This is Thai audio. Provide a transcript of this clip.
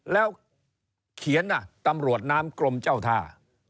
แล้วเขียนตำรวจน้ำกรมเจ้าท่า